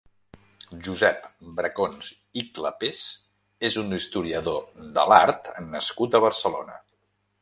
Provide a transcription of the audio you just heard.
Josep Bracons i Clapés és un historiador de l'art nascut a Barcelona.